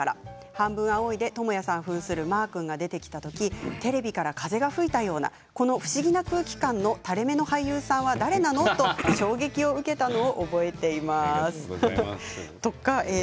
「半分、青い。」で倫也さんふんするマア君が出てきた時テレビから風が吹いたような不思議な空気感の垂れ目の俳優さんは、誰なんだろう？と衝撃を受けたのを覚えていますということです。